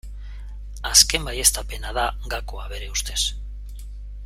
Azken baieztapena da gakoa bere ustez.